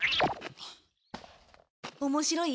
面白い？